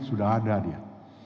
sudah ada dia